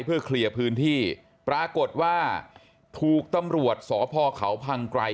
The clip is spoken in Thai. เพื่อเคลียร์พื้นที่ปรากฏว่าถูกตำรวจสพเขาพังไกร